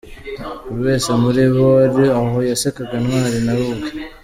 Buri wese mu bari aho yasekaga Ntwari, nawe ubwe.